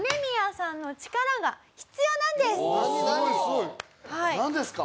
おー！なんですか？